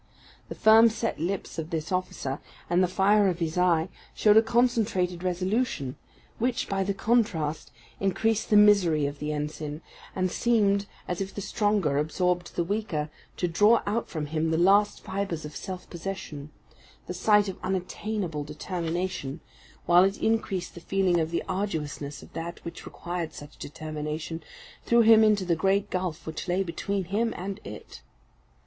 The firm set lips of this officer, and the fire of his eye, showed a concentrated resolution, which, by the contrast, increased the misery of the ensign, and seemed, as if the stronger absorbed the weaker, to draw out from him the last fibres of self possession: the sight of unattainable determination, while it increased the feeling of the arduousness of that which required such determination, threw him into the great gulf which lay between him and it.